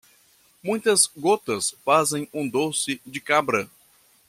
Muitas gotas fazem um doce de cabra.